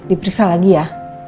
dipriksa lagi ya